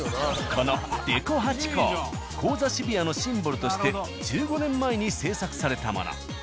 このデコハチ公高座渋谷のシンボルとして１５年前に制作されたもの。